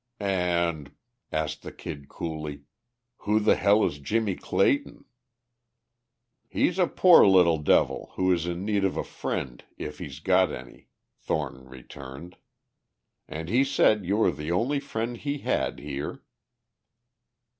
"An'," asked the Kid coolly, "who the hell is Jimmie Clayton?" "He's a poor little devil who is in need of a friend, if he's got any," Thornton returned. "And he said you were the only friend he had here."